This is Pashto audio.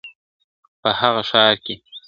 په هغه ښار کي ..